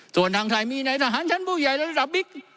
ส่วนทางไทยมีในทหารชั้นผู้ใหญ่ระดับบิ๊ก